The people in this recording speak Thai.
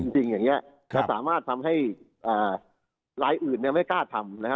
จริงอย่างนี้จะสามารถทำให้รายอื่นไม่กล้าทำนะฮะ